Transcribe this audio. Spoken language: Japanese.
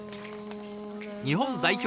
日本代表